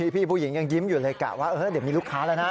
พี่ผู้หญิงยังยิ้มอยู่เลยกะว่าเดี๋ยวมีลูกค้าแล้วนะ